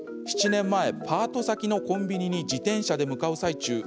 ７年前、パート先のコンビニに自転車で向かう最中